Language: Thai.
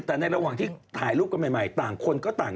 แต่ในระหว่างที่ถ่ายรูปกันใหม่ต่างคนก็ต่าง